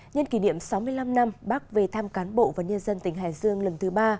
nhân kỷ niệm sáu mươi năm năm bác về tham cán bộ và nhân dân tỉnh hải dương lần thứ ba